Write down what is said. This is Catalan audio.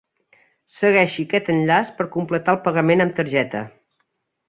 Segueixi aquest enllaç per completar el pagament amb targeta.